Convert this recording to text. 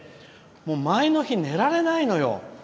前の日、寝られないんですよ。